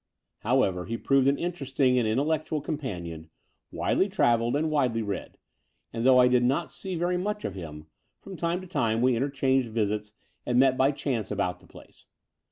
However, he proved an interesting and intellec tual companion, widely travelled and widely read; and though I did not see very much of him, from time to time we interchanged visits and met by chance about the place.